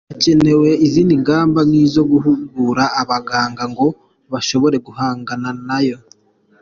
Hakenewe izindi ngamba nk’izo guhugura abaganga ngo bashobore guhangana nayo.